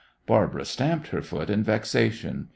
Barbara stamped her foot in vexation.